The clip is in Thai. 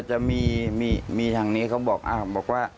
จะมีทางนี้เขาบอกว่า